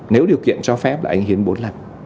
nếu điều kiện cho phép là anh hiến bốn lần